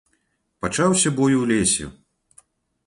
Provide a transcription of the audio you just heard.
Пачаўся бой у лесе.